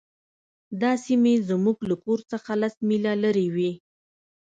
دا سیمې زموږ له کور څخه لس میله لرې وې